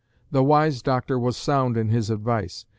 The wise doctor was sound in his advice.